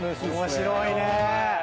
面白いね。